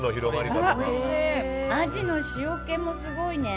アジの塩気もすごいね。